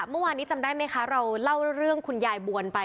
เมื่อวานนี้จำได้ไหมคะเราเล่าเรื่องคุณยายบวนไป